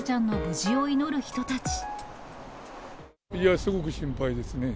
すごく心配ですね。